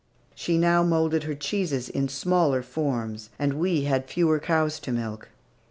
She now moulded her cheeses in smaller forms, and we had fewer cows to milk.